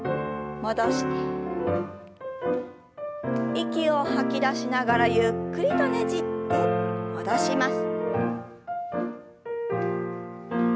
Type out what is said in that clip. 息を吐き出しながらゆっくりとねじって戻します。